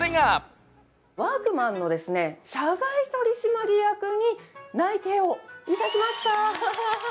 ワークマンの社外取締役に内定をいたしました。